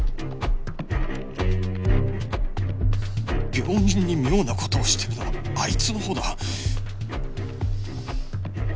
病人に妙な事をしてるのはあいつのほうだ！